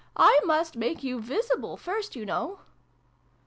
" I must make you visible first, you know."